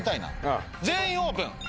「全員オープン」。